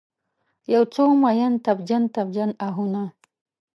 یوڅو میین، تبجن، تبجن آهونه